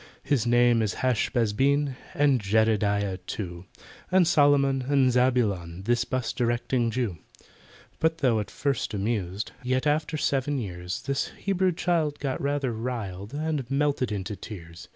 "His name is HASH BAZ BEN, And JEDEDIAH too, And SOLOMON and ZABULON— This 'bus directing Jew." But though at first amused, Yet after seven years, This Hebrew child got rather riled, And melted into tears.